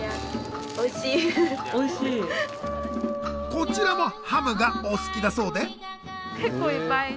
こちらもハムがお好きだそうで。